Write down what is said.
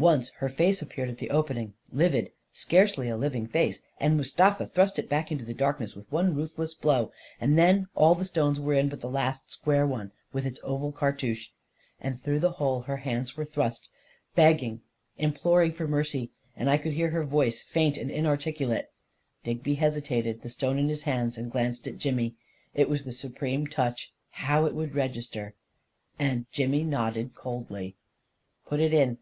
Once her face appeared at the opening, livid — scarcely a living face — and Mustafa thrust it back into the darkness with one ruthless blow; and then all the stones were in but the last square one, with its oval cartouche — and through the hole her hands were thrust, begging, imploring for mercy, and I could hear her voice, faint and inarticulate •.. Digby hesitated, the stone in his hands, and glanced at Jimmy. It was the supreme touch, — how it would register !— and Jimmy nodded coldly. 11 Put it in!